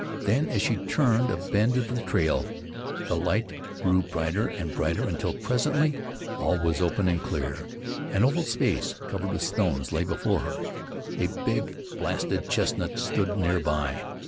Then, as she turned a bend of the trail, the light grew brighter and brighter, until presently all was open and clear. An oval space, covered with stones, lay before her. A big, blasted chestnut stood near by.